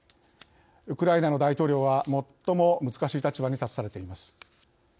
ウクライナの大統領はもっとも難しい立場に立たされています。